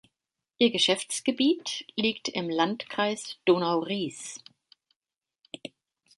Ihr Geschäftsgebiet liegt im Landkreis Donau-Ries.